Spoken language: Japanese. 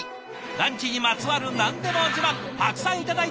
ランチにまつわる何でも自慢たくさん頂いています！